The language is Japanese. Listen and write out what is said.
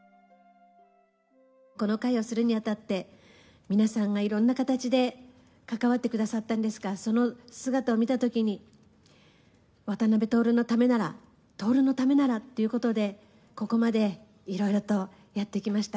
この会をするにあたって、皆さんがいろんな形で関わってくださったんですが、その姿を見たときに、渡辺徹のためなら、徹のためならっていうことで、ここまでいろいろとやってきました。